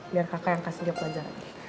biar kakak yang kasih dia pelajari